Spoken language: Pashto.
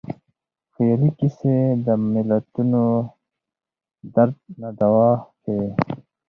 خیالي کيسې د ملتونو درد نه دوا کوي.